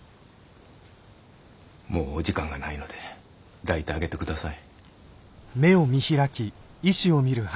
もうお時間がないので抱いてあげて下さい。